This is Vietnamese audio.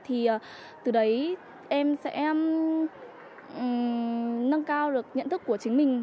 thì từ đấy em sẽ nâng cao được nhận thức của chính mình